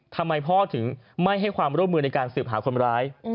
ทำไมพ่อถึงไม่ให้ความร่วมมือในการสืบหาคนร้าย